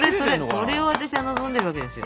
それを私は望んでるわけですよ。